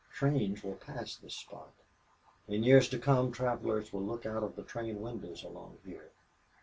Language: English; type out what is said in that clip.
Trains will pass this spot. In years to come travelers will look out of the train windows along here.